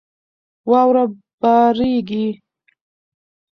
واوره بارېږي.